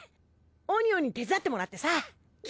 オニオンに手伝ってもらってさ。